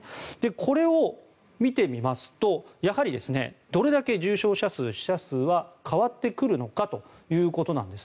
これを見てみますとやはりどれだけ重症者数死者数は変わってくるのかということです。